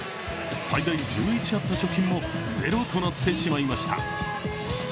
最大１１あった貯金もゼロとなってしまいました。